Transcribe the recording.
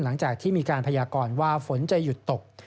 หลังจากที่มีการพยากรว่าฝนจะหยุดตก